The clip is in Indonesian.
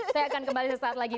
saya akan kembali sesaat lagi